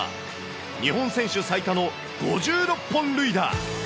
日本選手最多の５６本塁打。